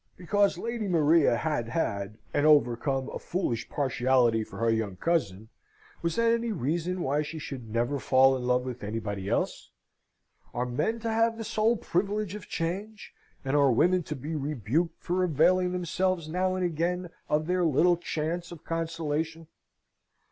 Because Lady Maria had had, and overcome, a foolish partiality for her young cousin, was that any reason why she should never fall in love with anybody else? Are men to have the sole privilege of change, and are women to be rebuked for availing themselves now and again of their little chance of consolation?